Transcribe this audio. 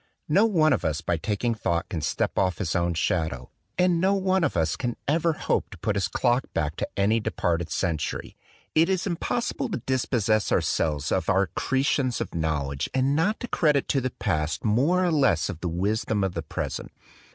No one of us by taking thought can step off his own shadow; and no one of us can ever hope to put his clock back to any departed century. It is impossible to dispossess our 46 THE DWELLING OF A DAY DREAM selves of our accretions of knowledge and not to credit to the past more or less of the wisdom of the present.